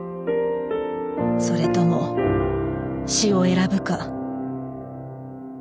それとも死を選ぶか。